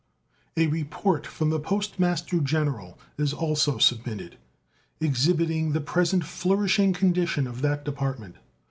A report from the Post Master General is also submitted, exhibiting the present flourishing condition of that Department.